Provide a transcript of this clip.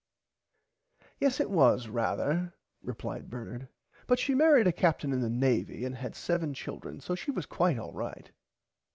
Yes it was rarther replied Bernard but she marrid a Captain in the Navy and had seven children so she was quite alright.